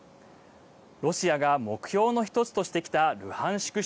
ロシアが目標の一つとしてきたルハンシク